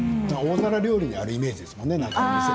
大皿料理であるイメージですものね。